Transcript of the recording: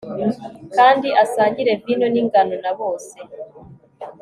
Kandi asangire vino ningano na bose